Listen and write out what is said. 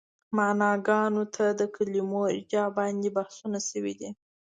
معناګانو ته د کلمو ارجاع باندې بحثونه شوي دي.